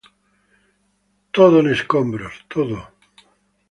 Todo en escombros… ¡Todo!